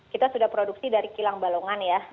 kita sudah produksi dari kilang balongan ya